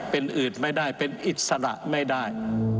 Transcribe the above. เป็นอื่นไม่ได้เป็นอิสระไม่ได้